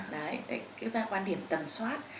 đấy cái quan điểm tầm soát